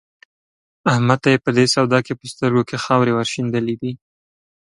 احمد ته يې په دې سودا کې په سترګو کې خاورې ور شيندلې دي.